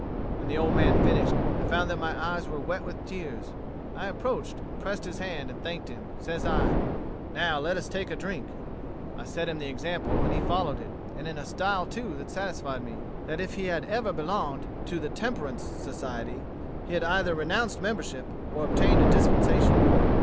"When the old man finished, I found that my eyes were wet with tears. I approached and pressed his hand, and thanked him, and says I, 'Now let us take a drink.' I set him the example, and he followed it, and in a style too that satisfied me, that if he had ever belonged to the temperance society, he had either renounced membership, or obtained a dispensation.